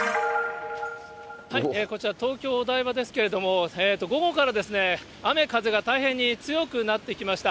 こちら、東京・お台場ですけれども、午後から雨風が大変に強くなってきました。